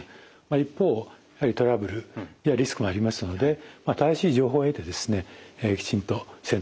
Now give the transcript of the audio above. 一方やはりトラブルやリスクがありますので正しい情報を得てきちんと選択していただきたいと思います。